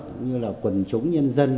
cũng như là quần chúng nhân dân